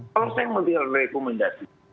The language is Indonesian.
kalau saya mengerti rekomendasi